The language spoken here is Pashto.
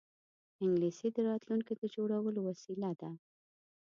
انګلیسي د راتلونکې د جوړولو وسیله ده